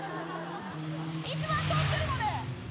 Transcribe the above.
一番通ってるので。